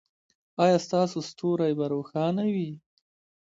ایا ستاسو ستوری به روښانه وي؟